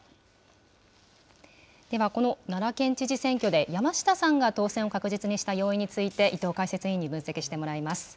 では、この奈良県知事選挙で山下さんが当選を確実にした要因について、伊藤解説委員に分析してもらいます。